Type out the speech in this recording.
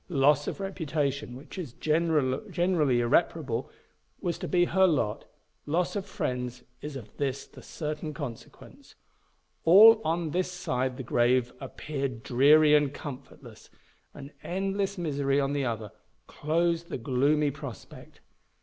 Loss of reputation, which is generally irreparable, was to be her lot; loss of friends is of this the certain consequence; all on this side the grave appeared dreary and comfortless; and endless misery on the other, closed the gloomy prospect.